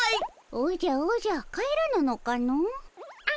おじゃおじゃ帰らぬのかの。